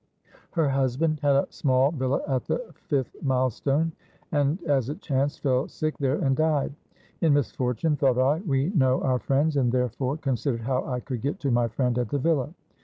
Her husband had a small villa at the fifth milestone, and, as it chanced, fell sick there and died. In misfortune, thought I, we know our 477 ROME friends, and therefore considered how I could get to my friend at the villa.